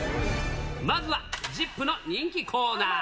まずはＺＩＰ！の人気コーナー。